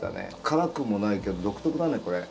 辛くもないけど独特だねこれ。